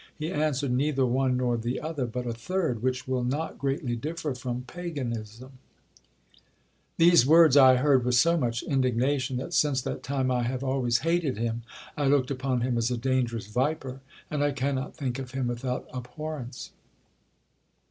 he answered, 'Neither one nor the other; but a third, which will not greatly differ from paganism.' These words I heard with so much indignation, that since that time I have always hated him: I look upon him as a dangerous viper; and I cannot think of him without abhorrence."